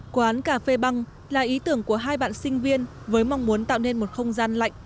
quán cà phê băng là ý tưởng của hai bạn sinh viên với mong muốn tạo nên một không gian lạnh